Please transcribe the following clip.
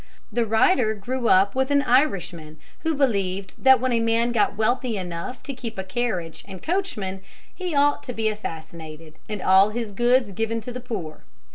The writer grew up with an Irishman who believed that when a man got wealthy enough to keep a carriage and coachman he ought to be assassinated and all his goods given to the poor.